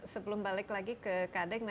sebelum balik lagi ke kadeng